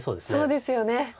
そうですよね。